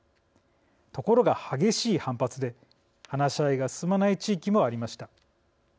ところが激しい反発で話し合いが進まない地域もありました。